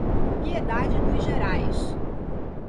Piedade dos Gerais